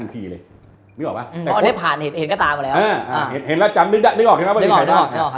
นึกออกครับ